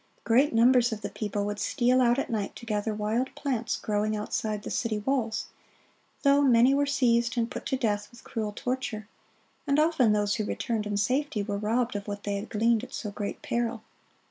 Great numbers of the people would steal out at night to gather wild plants growing outside the city walls, though many were seized and put to death with cruel torture, and often those who returned in safety were robbed of what they had gleaned at so great peril.